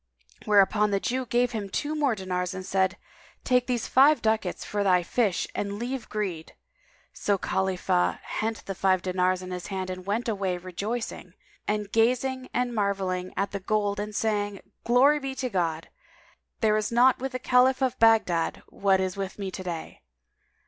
Whereupon the Jew gave him two more dinars and said, "Take these five ducats for thy fish and leave greed." So Khalifah hent the five dinars in hand and went away, rejoicing, and gazing and marvelling at the gold and saying, "Glory be to God! There is not with the Caliph of Baghdad what is with me this day!"